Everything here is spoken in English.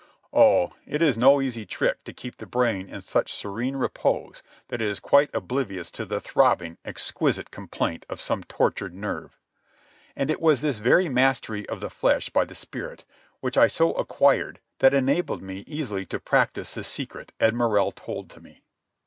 Oh, it is no easy trick to keep the brain in such serene repose that it is quite oblivious to the throbbing, exquisite complaint of some tortured nerve. And it was this very mastery of the flesh by the spirit which I so acquired that enabled me easily to practise the secret Ed Morrell told to me.